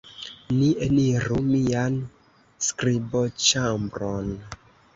Ni eniru mian skriboĉambron.